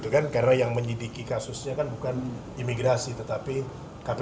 karena yang menyidiki kasusnya bukan imigrasi tetapi kpk